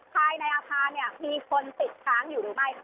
ภายในอาคารเนี่ยมีคนติดค้างอยู่หรือไม่